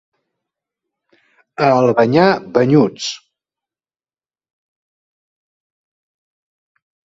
A Albanyà, banyuts.